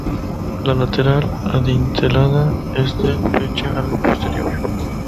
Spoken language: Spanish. La lateral, adintelada, es de fecha algo posterior.